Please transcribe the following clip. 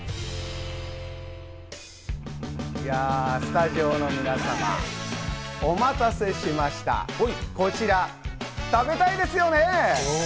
いや、スタジオの皆様、お待たせしました、こちら、食べたいですよね？